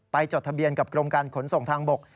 จดทะเบียนกับกรมการขนส่งทางบก